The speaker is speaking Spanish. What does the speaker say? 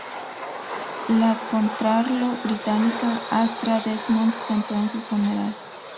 La contralto británica "Astra Desmond" cantó en su funeral.